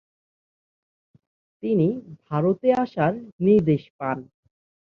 তিনি ভারতে আসার নির্দেশ পান।